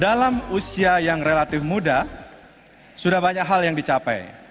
dalam usia yang relatif muda sudah banyak hal yang dicapai